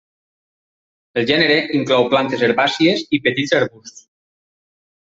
El gènere inclou plantes herbàcies i petits arbusts.